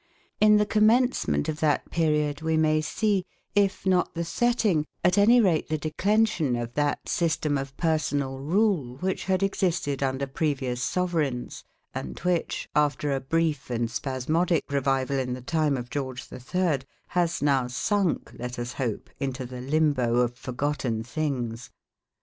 In the commencement of that period, we may see, if not the setting, at any rate the declension of that system of personal rule which had existed under previous sovereigns, and which, after a brief and spasmodic revival in the time of George the Third, has now sunk, let us hope, into the limbo of forgotten things.